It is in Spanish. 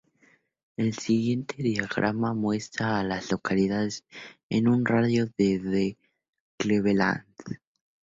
El siguiente diagrama muestra a las localidades en un radio de de Cleveland.